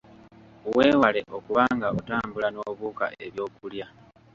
Weewale okuba nga otambula n’obuuka ebyokulya.